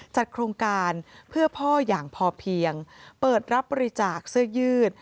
จัดโครงการเพื่อพ่ออย่างพอเพียงเปิดรับบริจาคเสื้อยืด